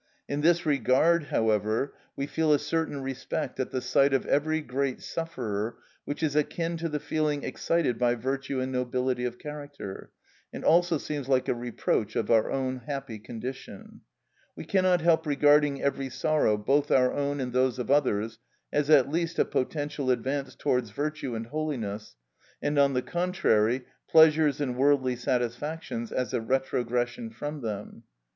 In this regard, however, we feel a certain respect at the sight of every great sufferer which is akin to the feeling excited by virtue and nobility of character, and also seems like a reproach of our own happy condition. We cannot help regarding every sorrow, both our own and those of others, as at least a potential advance towards virtue and holiness, and, on the contrary, pleasures and worldly satisfactions as a retrogression from them.